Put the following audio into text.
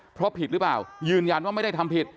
เพราะผิดหรือเปล่ายืนยันว่าไม่ได้ทำผิด